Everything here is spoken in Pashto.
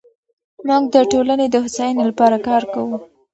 موږ د ټولنې د هوساینې لپاره کار کوو.